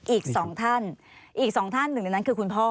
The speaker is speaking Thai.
อีกสองท่านอีกสองท่านหนึ่งในนั้นคือคุณพ่อ